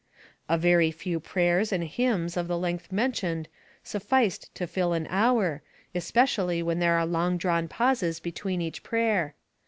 A very few prayers and hymns of the length mentioned sufficed to fill an hour, especially when there are long drawn pauses between each prayer.